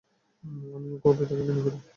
আমিও কবিতাকে ঘৃণা করি।